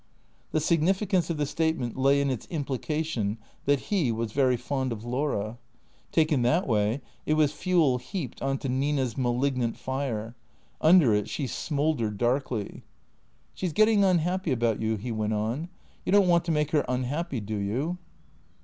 The significance of the statement lay in its implication that he was very fond of Laura. Taken that way it was fuel heaped on to Nina's malignant fire. Under it she smouldered darkly. " She 's getting unhappy about you/' he went on. " You don't want to make her unhappy, do you